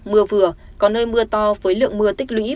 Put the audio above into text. mưa vừa có nơi mưa to với lượng mưa tích lũy